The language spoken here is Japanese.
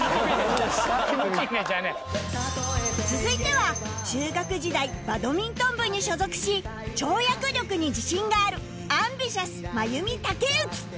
続いては中学時代バドミントン部に所属し跳躍力に自信がある ＡｍＢｉｔｉｏｕｓ 真弓孟之